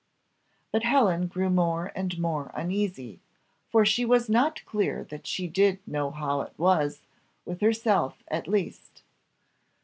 But Helen grew more and more uneasy, for she was not clear that she did know how it was, with herself at least.